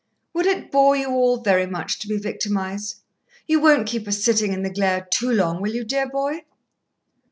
"Would it bore you all very much to be victimized? You won't keep us sitting in the glare too long, will you, dear boy?"